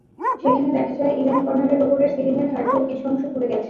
সেখানে দেখা যায়, ইরানি কর্নারের ওপরের সিলিংয়ের হার্ডবোর্ড কিছু অংশ পুড়ে গেছে।